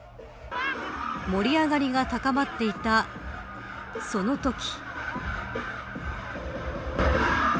盛り上がりが高まっていた、そのとき。